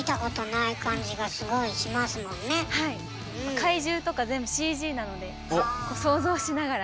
怪獣とか全部ＣＧなので想像しながら。